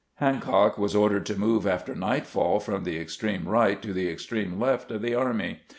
Hancock was ordered to move after nightfall from the extreme right to the extreme left of the army.